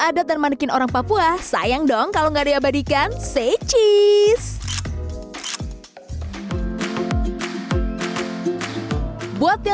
adat dan manekin orang papua sayang dong kalau gak adekat badikan st c bis buat yang